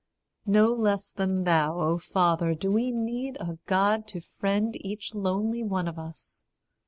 No less than thou, O Father, do we need A God to friend each lonely one of us.